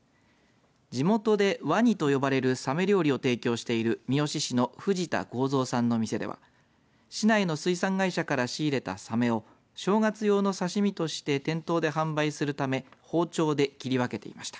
地元でワニと呼ばれるサメ料理を提供している三次市の藤田恒造さんの店では市内の水産会社から仕入れたサメを正月用の刺身として店頭で販売するため包丁で切り分けていました。